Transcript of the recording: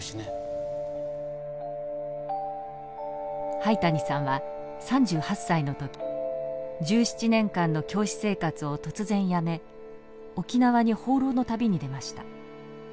灰谷さんは３８歳の時１７年間の教師生活を突然辞め沖縄に放浪の旅に出ました。